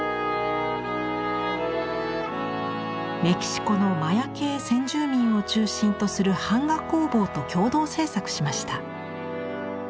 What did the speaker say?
メキシコのマヤ系先住民を中心とする版画工房と共同制作しました。